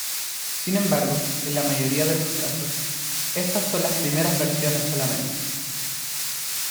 Sin embargo, en la mayoría de los casos, estas son las primeras versiones solamente.